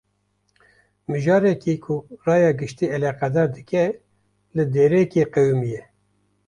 Mijareke ku raya giştî eleqedar dike, li derekê qewimiye